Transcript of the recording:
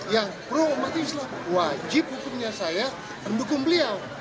yang pro umat islam wajib hukumnya saya mendukung beliau